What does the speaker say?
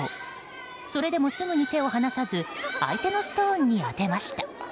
それでもすぐに手を離さず相手のストーンに当てました。